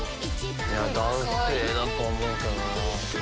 男性だと思うけどな。